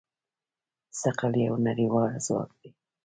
ثقل یو نړیوال ځواک دی.